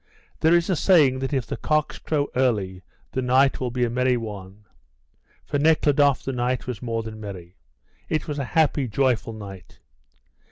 There is a saying that if the cocks crow early the night will be a merry one. For Nekhludoff the night was more than merry; it was a happy, joyful night.